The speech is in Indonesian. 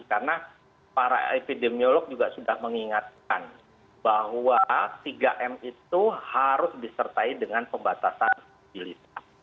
karena para epidemiolog juga sudah mengingatkan bahwa tiga m itu harus disertai dengan pembatasan mobilitas